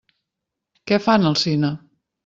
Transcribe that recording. Què fan al cine?